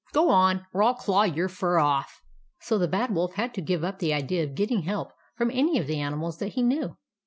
Go on, or I '11 claw your fur off !" So the Bad Wolf had to give up the idea of getting help from any of the animals that he knew.